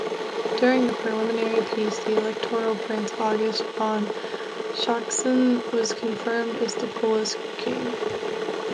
During the preliminary peace, the electoral prince August von Sachsen was confirmed as the Polish king.